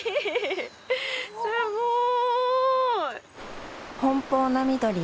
すごい！